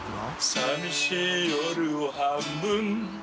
さみしい夜を半分）